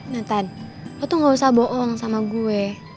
natan lo tuh gak usah bohong sama gue